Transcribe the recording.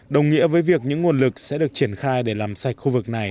đồng nghĩa với việc những nguồn lực sẽ được triển khai để làm sạch